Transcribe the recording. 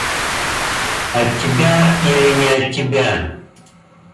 От тебя или не от тебя?